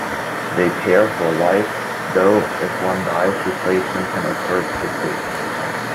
They pair for life, though if one dies replacement can occur quickly.